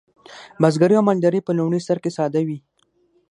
بزګري او مالداري په لومړي سر کې ساده وې.